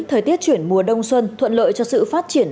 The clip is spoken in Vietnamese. thời tiết chuyển mùa đông xuân thuận lợi cho sự phát triển